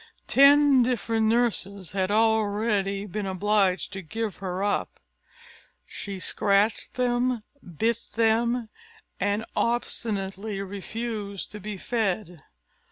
Ten different nurses had already been obliged to give her up; she scratched them, bit them, and obstinately refused to be fed.